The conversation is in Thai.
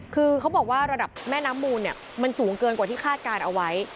คือเขาบอกว่าระดับแม่น้ำมูลมันสูงเกินกว่าที่คาดการณ์เอาไว้